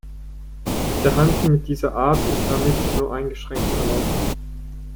Der Handel mit dieser Art ist damit nur eingeschränkt erlaubt.